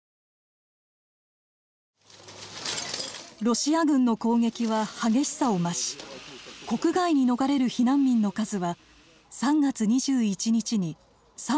ロシア軍の攻撃は激しさを増し国外に逃れる避難民の数は３月２１日に３５０万人を超えました。